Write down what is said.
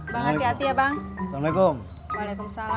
banget ya bang assalamualaikum waalaikumsalam